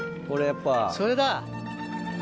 それだ。